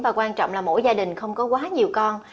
và quan trọng là mỗi gia đình không có quá nhiều con